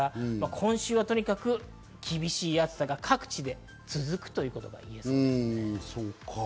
今週はとにかく厳しい暑さが各地で続くということがいえそうです。